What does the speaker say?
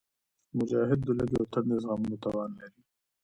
مجاهد د لوږې او تندې زغملو توان لري.